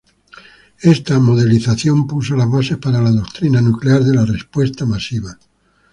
Esta modelización puso las bases para la doctrina nuclear de la respuesta masiva.